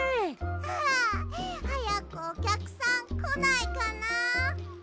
ああはやくおきゃくさんこないかな？